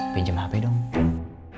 pinjam hp dong